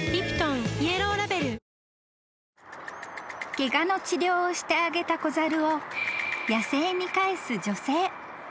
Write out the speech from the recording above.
［ケガの治療をしてあげた子猿を野生に返す女性］